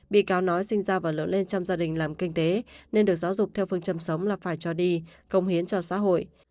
bị cáo nói sinh ra và lớn lên trong gia đình làm kinh tế nên được giáo dục theo phương châm sống là phải cho đi công hiến cho xã hội